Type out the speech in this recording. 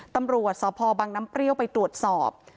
ตำรวจสพบังน้ำเปรี้ยวไปตรวจสอบ